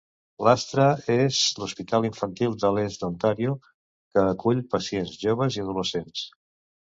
L'altre és l'Hospital Infantil de l'Est d'Ontario, que acull pacients joves i adolescents.